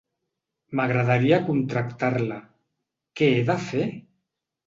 M'agradaria contractar-la, què he de fer?